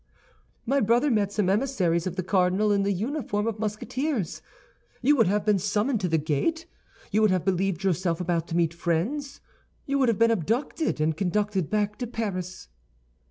"My brother met some emissaries of the cardinal in the uniform of Musketeers. You would have been summoned to the gate; you would have believed yourself about to meet friends; you would have been abducted, and conducted back to Paris."